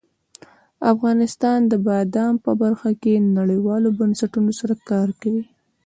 افغانستان د بادام په برخه کې نړیوالو بنسټونو سره کار کوي.